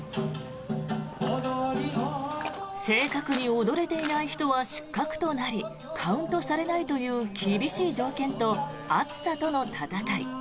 正確に踊れていない人は失格となりカウントされないという厳しい条件と暑さとの闘い。